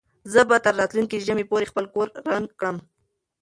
زه به تر راتلونکي ژمي پورې خپل کور رنګ کړم.